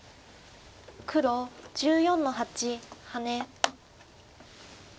黒１４の八ハネ。